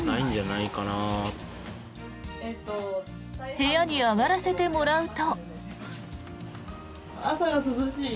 部屋に上がらせてもらうと。